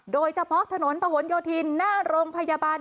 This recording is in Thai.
โดยเฉพาะถนน